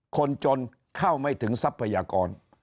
คนจนเข้าไม่ถึงทรัพยากร